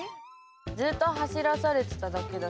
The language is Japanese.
ずっと走らされてただけだし。